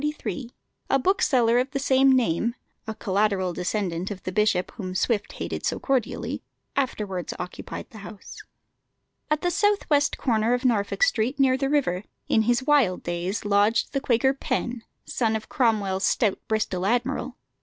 A bookseller of the same name a collateral descendant of the bishop whom Swift hated so cordially afterwards occupied the house. At the south west corner of Norfolk Street, near the river, in his wild days lodged the Quaker Penn, son of Cromwell's stout Bristol admiral.